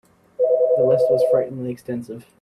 The list was frighteningly extensive.